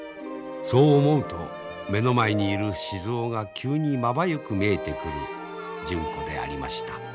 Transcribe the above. そう思うと目の前にいる静尾が急にまばゆく見えてくる純子でありました。